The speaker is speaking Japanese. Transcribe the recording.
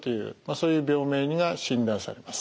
そういう病名が診断されます。